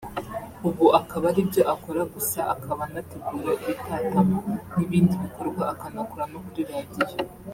ubu akaba aribyo akora gusa akaba anategura ibitatamo n’ibindi bikorwa akanakora no kuri radiyo